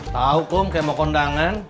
tahu kum kayak mau kondangan